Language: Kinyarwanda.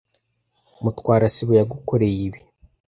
Mutwara sibo yagukorera ibi.